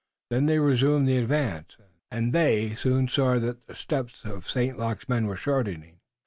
Then they resumed the advance, and they soon saw that the steps of St. Luc's men were shortening.